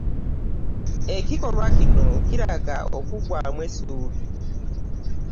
Ekikolwa kino kiraga okugwamu essuubi.